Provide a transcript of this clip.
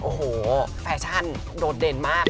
โอ้โหแฟชั่นโดดเด่นมาก